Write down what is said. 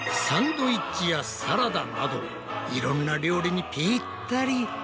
サンドイッチやサラダなどいろんな料理にぴったり！